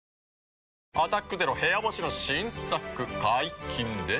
「アタックＺＥＲＯ部屋干し」の新作解禁です。